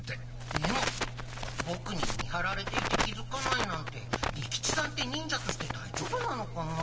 でもボクにみはられていて気づかないなんて利吉さんって忍者としてだいじょうぶなのかなあ。